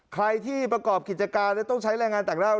ใครที่ประกอบกิจการแล้วต้องใช้แรงงานต่างด้าว